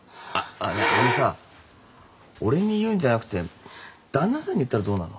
あのあのさ俺に言うんじゃなくてだんなさんに言ったらどうなの？